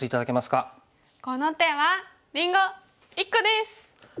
この手はりんご１個です！